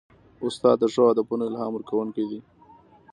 استاد د ښو هدفونو الهام ورکوونکی دی.